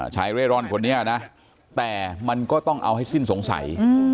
เร่ร่อนคนนี้นะแต่มันก็ต้องเอาให้สิ้นสงสัย